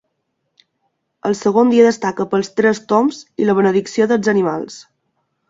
El segon dia destaca pels Tres Tombs i la benedicció dels animals.